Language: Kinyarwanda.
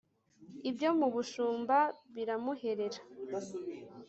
ibyo mu bushumba biramuherera